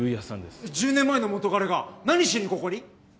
１０年前の元彼が何しにここに？